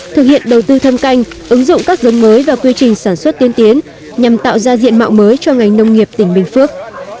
thực hiện đầu tư thâm canh ứng dụng các giống mới và quy trình sản xuất tiên tiến nhằm tạo ra diện mạo mới cho ngành nông nghiệp tỉnh bình phước